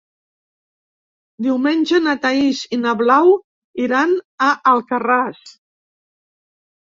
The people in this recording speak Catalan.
Diumenge na Thaís i na Blau iran a Alcarràs.